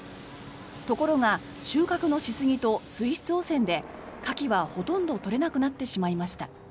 ところが収穫のしすぎと水質汚染でカキはほとんど取れなくなってしまいました。